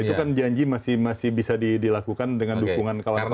itu kan janji masih bisa dilakukan dengan dukungan kawan kawan